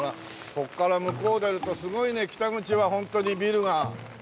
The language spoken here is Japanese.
ここから向こう出るとすごいね北口は本当にビルが。